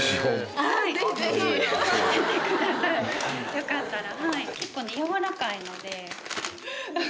よかったら。